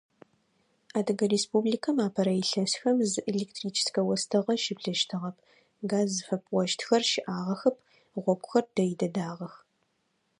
Адыгэ Республикэм апэрэ илъэсхэм зы электрическэ остыгъэ щыблэщтыгъэп, газ зыфэпӏощтхэр щыӏагъэхэп, гъогухэр дэй дэдагъэх.